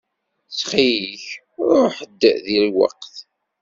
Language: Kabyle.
Ttxil-k ṛuḥ-d di lweqt.